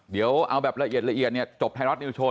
เดี๋ยวเอาแบบละเอียดจบไทยรัฐนิวโชว์